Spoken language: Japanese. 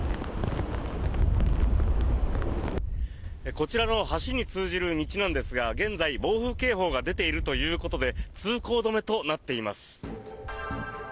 こちらの橋に通じる道なんですが現在暴風警報が出ているということで通行止めとなっています。